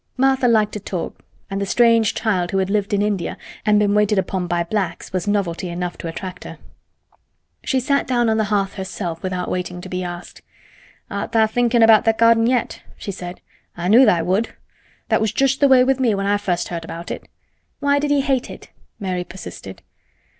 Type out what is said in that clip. Martha liked to talk, and the strange child who had lived in India, and been waited upon by "blacks," was novelty enough to attract her. She sat down on the hearth herself without waiting to be asked. "Art tha' thinkin' about that garden yet?" she said. "I knew tha' would. That was just the way with me when I first heard about it." "Why did he hate it?" Mary persisted.